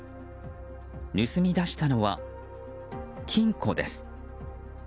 盗み出したのは金庫です。